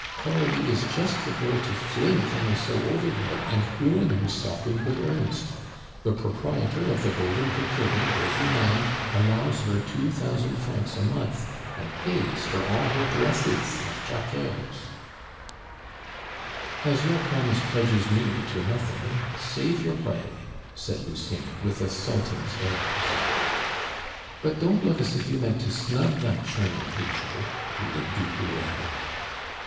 "Coralie is just the girl to fling Camusot overboard and ruin herself in good earnest. The proprietor of the Golden Cocoon, worthy man, allows her two thousand francs a month, and pays for all her dresses and claqueurs." "As your promise pledges me to nothing, save your play," said Lucien, with a sultan's airs. "But don't look as if you meant to snub that charming creature," pleaded du Bruel.